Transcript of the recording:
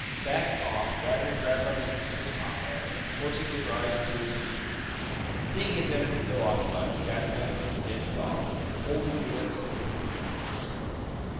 Backing off, Radwin grabbed up his useless comrade, forcing the driver to his feet. Seeing his enemy so occupied, Jack Benson edged off, holding the whip so that he could use it.